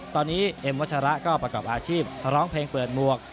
ตอนนี้เอ็มวัชระก็ประกอบอาชีพร้องเพลงเปิดหมวก